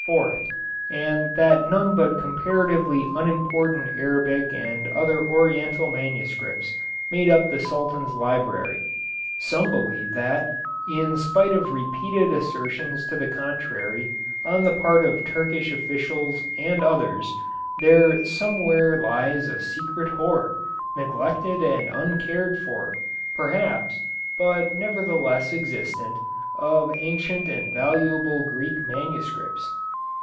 and that none but comparatively unimportant Arabic and other Oriental manuscripts make up the Sultan's library. Some believe that, in spite of repeated assertions to the contrary on the part of Turkish officials and others, there somewhere lies a secret hoard, neglected and uncared for, perhaps, but nevertheless existent, of ancient and valuable Greek manuscripts.